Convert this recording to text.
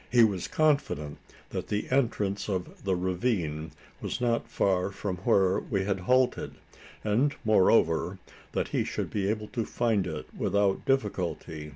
He was confident that the entrance of the ravine was not far from where we had halted; and, moreover, that he should be able to find it without difficulty.